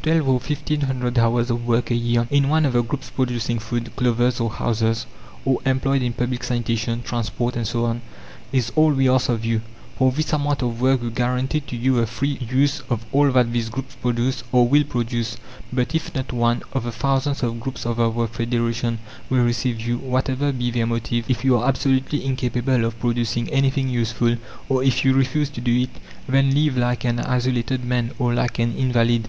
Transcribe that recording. "Twelve or fifteen hundred hours of work a year, in one of the groups producing food, clothes, or houses, or employed in public sanitation, transport, and so on, is all we ask of you. For this amount of work we guarantee to you the free use of all that these groups produce, or will produce. But if not one, of the thousands of groups of our federation, will receive you, whatever be their motive; if you are absolutely incapable of producing anything useful, or if you refuse to do it, then live like an isolated man or like an invalid.